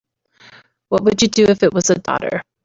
What would you do if it was a daughter?